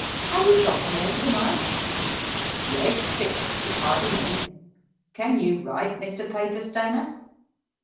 "Have you got 'em all to night?" "Yes, six all tidy men. Can you write, Mr. Paper Stainer?"